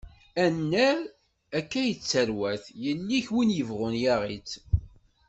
Annar, akka i yettarwat, yelli-k win yebɣun yaɣ-itt.